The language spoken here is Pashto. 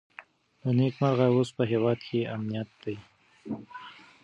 له نېکمرغه اوس په هېواد کې امنیت دی.